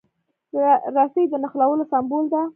رسۍ د نښلولو سمبول ده.